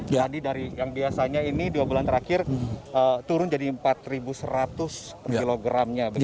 tadi dari yang biasanya ini dua bulan terakhir turun jadi empat seratus per kilogramnya